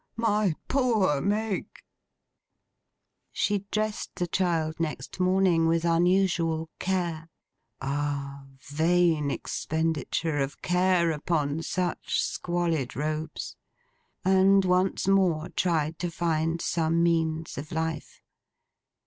My poor Meg!' She dressed the child next morning with unusual care—ah, vain expenditure of care upon such squalid robes!—and once more tried to find some means of life.